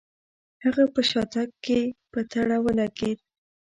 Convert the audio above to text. هغه په شاتګ کې په تړه ولګېد.